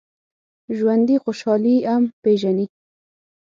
ژوندي خوشحالي هم پېژني